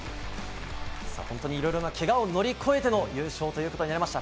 いろいろなけがを乗り越えての優勝ということになりました。